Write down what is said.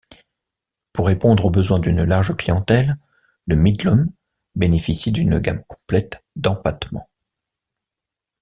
Pour répondre aux besoins d'une large clientèle, le Midlum bénéficie d'une gamme complète d'empattements.